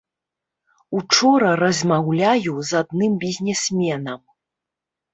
Учора размаўляю з адным бізнесменам.